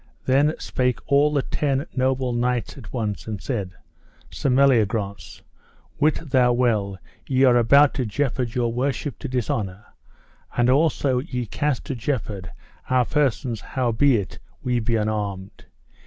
Then spake all the ten noble knights at once and said: Sir Meliagrance, wit thou well ye are about to jeopard your worship to dishonour, and also ye cast to jeopard our persons howbeit we be unarmed.